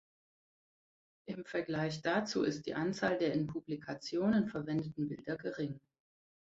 Im Vergleich dazu ist die Anzahl der in Publikationen verwendeten Bilder gering.